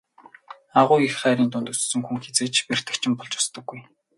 Агуу их хайрын дунд өссөн хүн хэзээ ч бэртэгчин болж өсдөггүй.